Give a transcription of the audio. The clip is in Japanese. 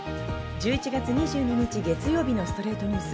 １１月２２日、月曜日の『ストレイトニュース』。